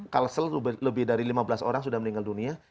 kalsel lebih dari lima belas orang sudah meninggal dunia